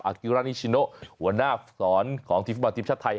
อากิรานิชิโนหัวหน้าสอนของทีมธุรกิจชาติไทย